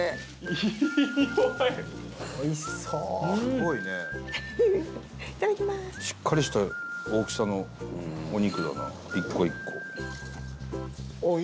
伊達：しっかりした大きさのお肉だな、１個１個。